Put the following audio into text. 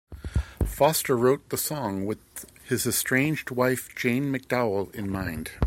Foster wrote the song with his estranged wife Jane McDowell in mind.